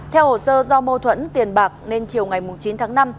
theo hồ sơ do mâu thuẫn tiền bạc nên chiều ngày chín tháng năm